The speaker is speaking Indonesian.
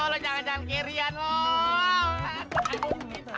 lo jangan jangan kirian loh